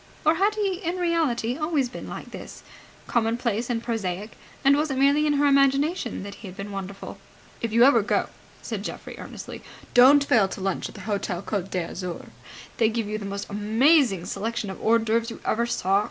Or had he in reality always been like this, commonplace and prosaic, and was it merely in her imagination that he had been wonderful? "If you ever go," said Geoffrey, earnestly, "don't fail to lunch at the Hotel Côte d'Azur. They give you the most amazing selection of hors d'oeuvres you ever saw.